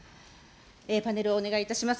パネルをお願いいたします。